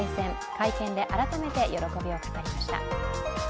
会見で改めて喜びを語りました。